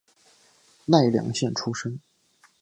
奈良县出身。